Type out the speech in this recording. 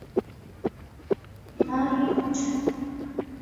نہ ہی پوچھا